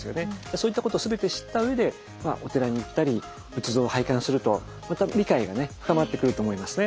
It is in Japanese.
そういったことを全て知ったうえでお寺に行ったり仏像を拝観するとまた理解がね深まってくると思いますね。